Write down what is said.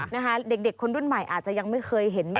นะคะเด็กคนรุ่นใหม่อาจจะยังไม่เคยเห็น